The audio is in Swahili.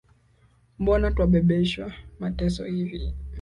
Mbona twabebeshwa mateso hivi